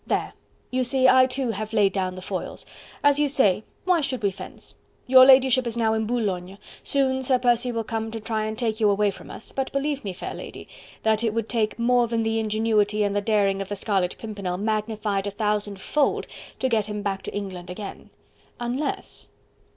There! you see I too have laid down the foils.... As you say, why should we fence? Your ladyship is now in Boulogne, soon Sir Percy will come to try and take you away from us, but believe me, fair lady, that it would take more than the ingenuity and the daring of the Scarlet Pimpernel magnified a thousandfold to get him back to England again... unless..."